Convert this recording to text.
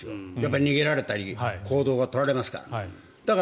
逃げられたり行動は取られたくないですから。